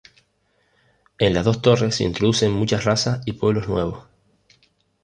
En "Las dos torres" se introducen muchas razas y pueblos nuevos.